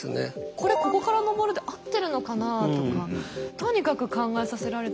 これここから登るで合ってるのかなあとかとにかく考えさせられた。